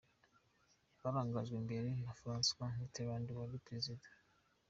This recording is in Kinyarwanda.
Barangajwe imbere na François Mitterand wari Perezida.